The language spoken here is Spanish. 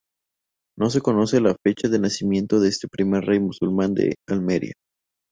No se conoce la fecha de nacimiento de este primer rey musulmán de Almería.